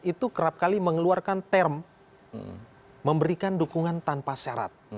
itu kerap kali mengeluarkan term memberikan dukungan tanpa syarat